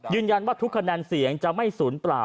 ยืนยันว่าทุกคะแนนเสียงจะไม่สูญเปล่า